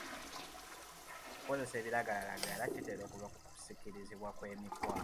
Okukozesa ebiragalalagala kitera kuva ku kusikirizibwa kw'emikwano.